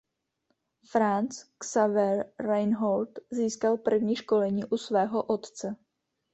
Franz Xaver Reinhold získal první školení u svého otce.